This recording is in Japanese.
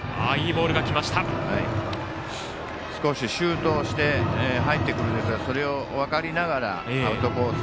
少しシュートして入ってくるんですがそれを分かりながらアウトコース